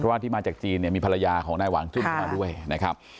เพราะว่าที่มาจากจีนมีภรรยาของนายหวานจุ้นมาด้วยนะครับ